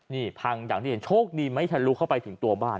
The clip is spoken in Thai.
นี่พังอย่างที่เห็นโชคดีไหมทะลุเข้าไปถึงตัวบ้าน